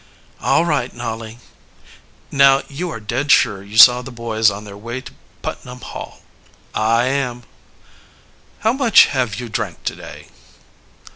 "All right, Nolly." "Now, you are dead sure you saw the boys on their way to Putnam Hall?" "I am." "How much have you drank today?"